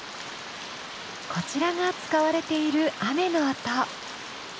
こちらが使われている雨の音。